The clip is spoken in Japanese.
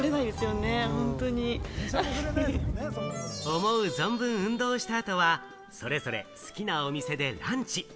思う存分運動した後は、それぞれ好きなお店でランチ。